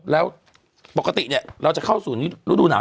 แล้วปกติเนี่ยเราจะเข้าสู่ฤดูหนาว